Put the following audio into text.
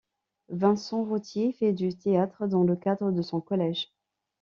Vincent Rottiers fait du théâtre dans le cadre de son collège.